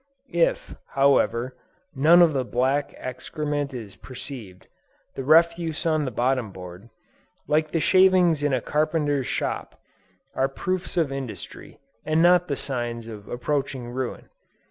If, however, none of the black excrement is perceived, the refuse on the bottom board, like the shavings in a carpenter's shop, are proofs of industry and not the signs of approaching ruin.